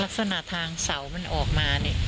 ลักษณะทางเสามันออกมาเนี่ย